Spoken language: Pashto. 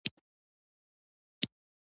بلخ ولې د مولانا ټاټوبی بلل کیږي؟